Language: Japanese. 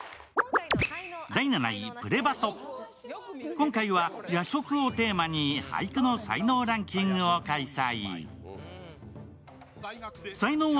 今回は夜食をテーマに俳句の才能ランキングを開催。